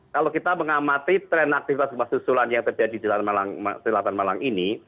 kalau kita mengamati tren aktivitas gempa susulan yang terjadi di jalan selatan malang ini